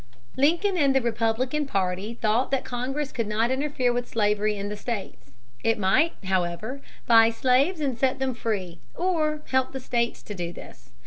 Lincoln and the Republican party thought that Congress could not interfere with slavery in the states. It might, however, buy slaves and set them free or help the states to do this.